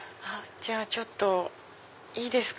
じゃあちょっといいですか？